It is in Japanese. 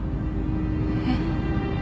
えっ